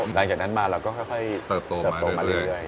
หลังจากนั้นมาเราก็ค่อยเติบโตเติบโตมาเรื่อย